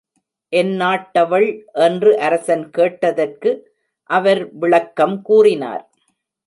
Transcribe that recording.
எந்நாட்டவள் என்று அரசன் கேட்டதற்கு அவர் விளக்கம் கூறினார்.